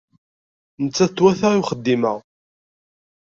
Nettat twata i uxeddim-a.